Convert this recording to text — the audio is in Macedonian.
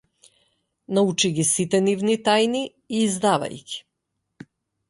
Научи ги сите нивни тајни и издавај ги.